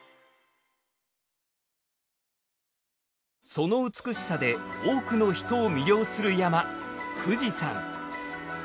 その美しさで多くの人を魅了する山富士山。